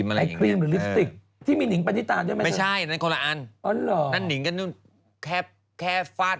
เรื่องเอ้าวะอะไรกัน